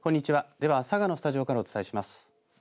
では佐賀のスタジオからお伝えします。